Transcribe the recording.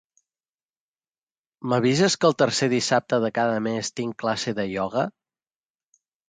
M'avises que el tercer dissabte de cada mes tinc classe de ioga?